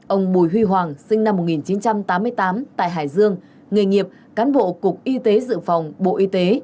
ông bùi huy hoàng sinh năm một nghìn chín trăm tám mươi tám tại hải dương nghề nghiệp cán bộ cục y tế dự phòng bộ y tế